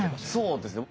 そうですね。